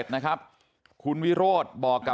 เสียงคุณวิโรธใช่ไหม